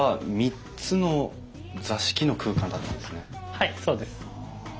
はいそうです。